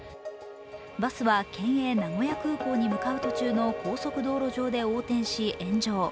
バスは県営名古屋空港に向かう途中の高速道路上で横転し、炎上。